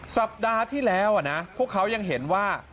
สัปดาห์ที่แล้วนะพวกเขายังเห็นว่า